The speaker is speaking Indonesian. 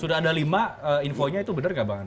sudah ada lima infonya itu benar gak bang